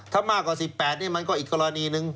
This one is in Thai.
ถ้ามากกว่า๑๘นี่มันก็อีกกรณีหนึ่ง